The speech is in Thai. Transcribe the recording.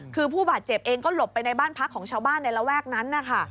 คือผู้บาดเจ็บเองก็หลบไปในบ้านพักของชาวบ้านในระแวกนั้นนะคะ